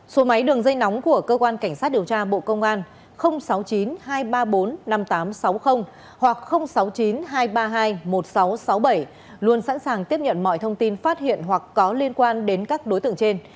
số máy đường dây nóng của cơ quan cảnh sát điều tra bộ công an sáu mươi chín hai trăm ba mươi bốn năm nghìn tám trăm sáu mươi hoặc sáu mươi chín hai trăm ba mươi hai một nghìn sáu trăm sáu mươi bảy luôn sẵn sàng tiếp nhận mọi thông tin phát hiện hoặc có liên quan đến các đối tượng trên